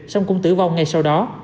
xong cũng tử vong ngay sau đó